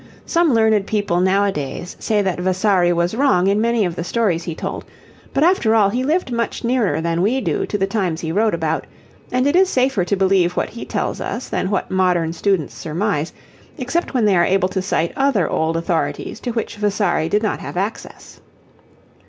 Some learned people nowadays say that Vasari was wrong in many of the stories he told, but after all he lived much nearer than we do to the times he wrote about, and it is safer to believe what he tells us than what modern students surmise, except when they are able to cite other old authorities to which Vasari did not have access.